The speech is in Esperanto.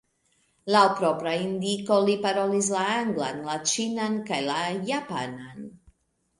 Laŭ propra indiko li parolas la anglan, la ĉinan kaj la japanan.